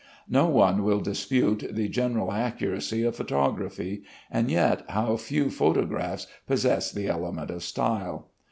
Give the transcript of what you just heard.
No one will dispute the general accuracy of photography, and yet how few photographs possess the element of style!